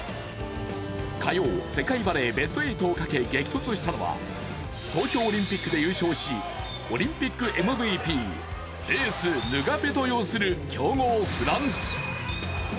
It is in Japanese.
火曜、世界バレーベスト８をかけ激突したのは、東京オリンピックで優勝しオリンピックＭＶＰ、エース・ヌガペト擁する強豪・フランス。